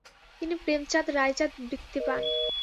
তিনি প্রেমচাঁদ-রায়চাদ বৃত্তি পান।